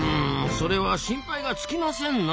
それは心配が尽きませんなあ。